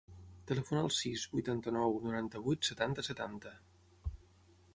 Telefona al sis, vuitanta-nou, noranta-vuit, setanta, setanta.